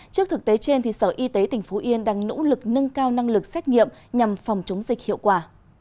trước thực tế trên sở y tế tỉnh phú yên đang nỗ lực nâng cao năng lực xét nghiệm nhằm phòng chống dịch hiệu quả